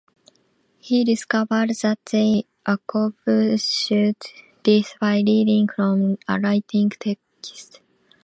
He discovered that they accomplished this by reading from a written text.